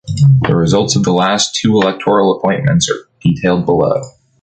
The results of the last two electoral appointments are detailed below.